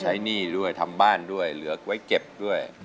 หนี้ด้วยทำบ้านด้วยเหลือไว้เก็บด้วย